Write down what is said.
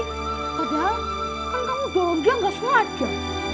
padahal kan kamu dorong dia gak selaja